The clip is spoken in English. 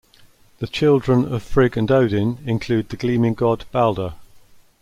The children of Frigg and Odin include the gleaming god Baldr.